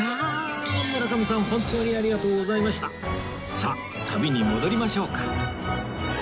さあ旅に戻りましょうか